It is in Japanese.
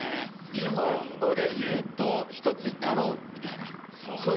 日本語で言うと「一つになろう」みたいなそういうことですかね。